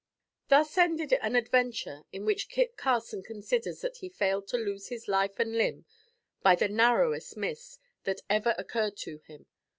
Thus ended an adventure in which Kit Carson considers that he failed to lose life and limb by the narrowest miss that ever occurred to him.